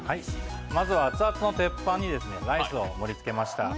まずは熱々の鉄板にライスを盛りつけました。